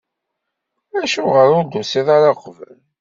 Acuɣer ur d-tusiḍ ara uqbel?